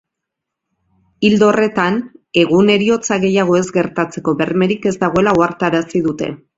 Ildo horretan, egun heriotza gehiago ez gertatzeko bermerik ez dagoela ohartarazi dute.